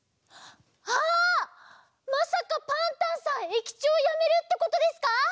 あっまさかパンタンさん駅長やめるってことですか！？